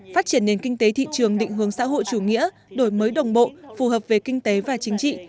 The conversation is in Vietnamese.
phát triển nền kinh tế thị trường định hướng xã hội chủ nghĩa đổi mới đồng bộ phù hợp về kinh tế và chính trị